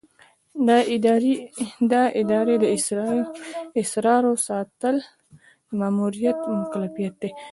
د ادارې د اسرارو ساتل د مامور مکلفیت دی.